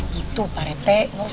gitu pak rt